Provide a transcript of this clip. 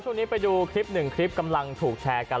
ช่วงนี้ไปดูคลิปหนึ่งคลิปกำลังถูกแชร์กัน